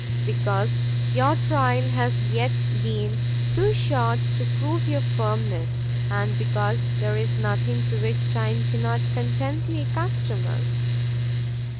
"Because your trial has yet been too short to prove your firmness, and because there is nothing to which time cannot contentedly accustom us."